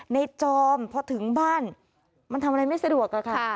จอมพอถึงบ้านมันทำอะไรไม่สะดวกอะค่ะ